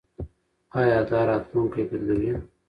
ایا دا راتلونکی بدلوي؟